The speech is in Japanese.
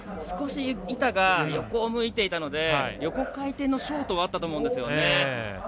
少し板が横を向いていたので横回転のショートはあったと思うんですね。